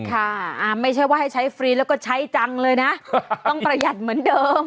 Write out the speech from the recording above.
ค่ะไม่ใช่ว่าให้ใช้ฟรีแล้วก็ใช้จังเลยนะต้องประหยัดเหมือนเดิม